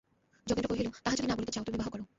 যোগেন্দ্র কহিল, তাহা যদি না বলিতে চাও তো বিবাহ করো।